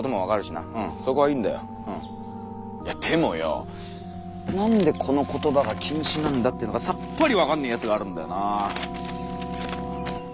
いやでもよォなんでこの言葉が禁止なんだってのがさっぱり分かんねーやつがあるんだよなぁ。